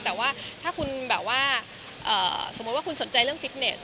แต่ว่าถ้าคุณแบบว่าสมมุติว่าคุณสนใจเรื่องฟิตเนส